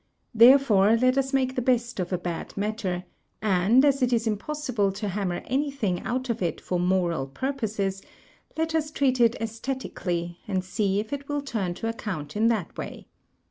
Therefore, let us make the best of a bad matter; and, as it is impossible to hammer any thing out of it for moral purposes, let us treat it Aesthetically, and see if it will turn to accoimt in that way.